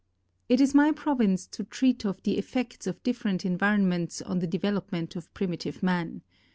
It is my province to treat of the effects of different environ ments on the development of primitive man.